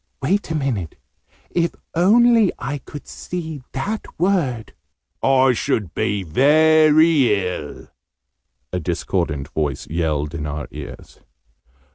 "Wait a minute if only I could see that word " "I should be very ill!', a discordant voice yelled in our ears.